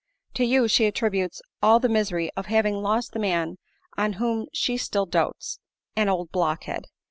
To you she attributes all the misery of having lost the man on whom she still dotes ; (an old blockhead